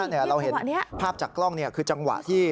เราเห็นภาพจากกล้องคือจังหวะที่